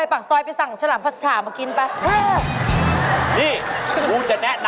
ยังพลังจะพูด